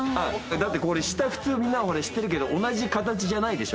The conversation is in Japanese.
だって下普通みんな知ってるけど同じ形じゃないでしょ